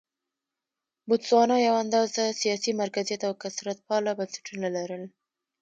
بوتسوانا یو اندازه سیاسي مرکزیت او کثرت پاله بنسټونه لرل.